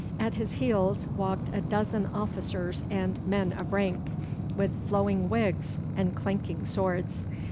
At his heels walked a dozen officers and men of rank, with flowing wigs and clanking swords.